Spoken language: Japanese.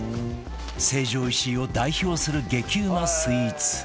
成城石井を代表する激うまスイーツ